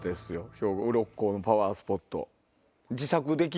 兵庫・六甲のパワースポット。